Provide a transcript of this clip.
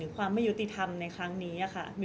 ก็ต้องฝากพี่สื่อมวลชนในการติดตามเนี่ยแหละค่ะ